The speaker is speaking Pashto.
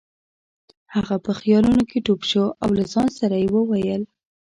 هغه په خیالونو کې ډوب شو او له ځان سره یې وویل.